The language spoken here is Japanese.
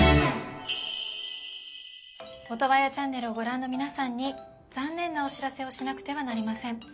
オトワヤチャンネルをご覧の皆さんに残念なお知らせをしなくてはなりません。